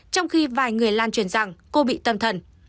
trong khi vài người lan truyền rằng cô bị tâm thần